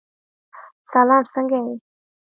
سلام! څنګه یې؟